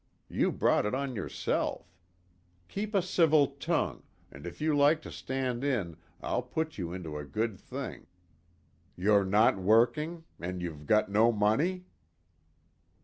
You brought it on yourself. Keep a civil tongue, and if you like to stand in I'll put you into a good thing. You're not working? And you've got no money?"